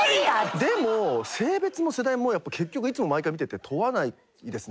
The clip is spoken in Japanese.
でも性別も世代も結局いつも毎回見てて問わないですね。